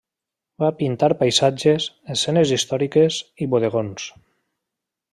Va pintar paisatges, escenes històriques i bodegons.